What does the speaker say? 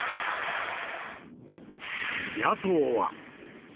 野党は。